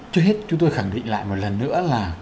trước hết chúng tôi khẳng định lại một lần nữa là